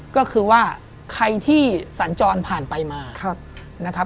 ก็คือว่าใครที่สรรจรผ่านไปมา